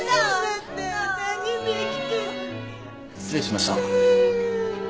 失礼しました。